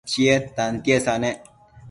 Chied tantiesa nec